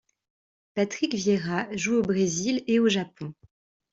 Patrick Vieira joue au Brésil et au Japon.